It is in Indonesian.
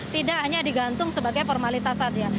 tidak hanya digantung sebagai formalitas saja